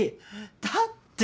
だってぇ。